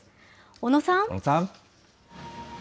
小野さん。